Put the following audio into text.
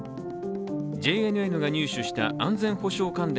ＪＮＮが入手した安全保障関連